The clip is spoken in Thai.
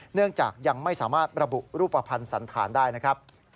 เนื่องจากยังไม่สามารถระบุรูปภัณฑ์สันธารได้นะครับ